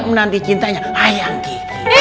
menanti cintanya ayang kiki